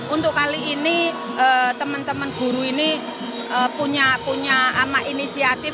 untuk kali ini teman teman guru ini punya inisiatif